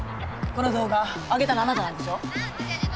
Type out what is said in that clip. この動画あげたのあなたなんでしょ？